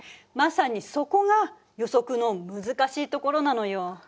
まさにそこが予測の難しいところなのよ。